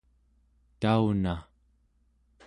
tauna